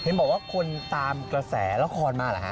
เห็นหัวว่าคนตามกระแสระครมากเหล่าฮะ